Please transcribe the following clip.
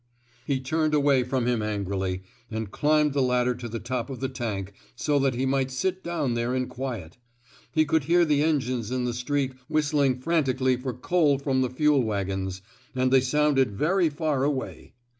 " He turned away from him angrily, and climbed the ladder to the top of the tank, so that he might sit down there in quiet. He could hear the enghies in the street whistling frantically for coal from the fuel wagons; and they sounded very far away.